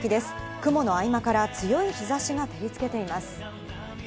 雲の合間から強い日差しが照りつけています。